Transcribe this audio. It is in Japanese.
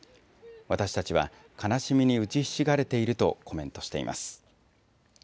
私たちは悲しみに打ちひしがれているとコメントしています。